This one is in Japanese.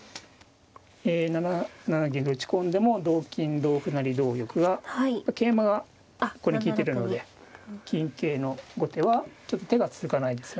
え７七銀と打ち込んでも同金同歩成同玉が桂馬がここに利いてるので金桂の後手はちょっと手が続かないですよね。